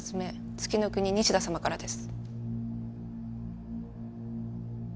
月ノ国西田さまからです。